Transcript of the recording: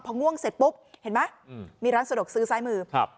พอง่วงเสร็จปุ๊บเห็นไหมมีร้านสะดวกซื้อซ้ายมือครับ